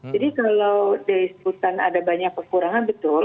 jadi kalau disebutkan ada banyak kekurangan betul